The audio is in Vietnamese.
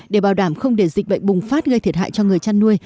để bảo đảm không để dịch bệnh bùng phát gây thiệt hại cho người chăn nuôi